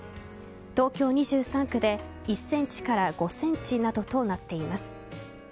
東京２３区で１ｃｍから５ｃｍなどとなっています。